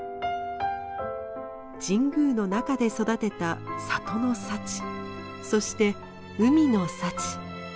神宮の中で育てた里の幸そして海の幸。